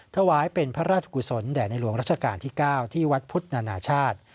ถวายเป็นพระราชกุศลแด่ในหลวงรัชกาลที่๙ที่วัดพุทธนานาชาติ